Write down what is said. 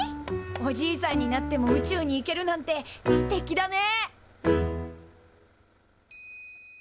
おじいさんになっても宇宙に行けるなんてステキだね！